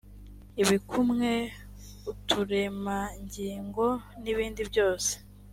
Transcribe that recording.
ibikumwe uturemangingo n ibindi byose